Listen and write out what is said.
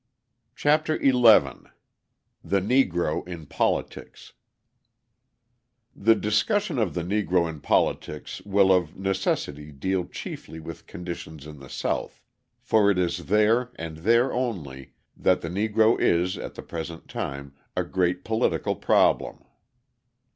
CHAPTER XI THE NEGRO IN POLITICS The discussion of the Negro in politics will of necessity deal chiefly with conditions in the South; for it is there, and there only, that the Negro is, at the present time, a great political problem.